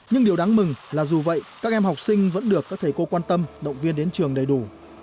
nhưng điều đáng mừng là dù vậy các em học sinh vẫn được các thầy cô quan tâm động viên đến trường đầy đủ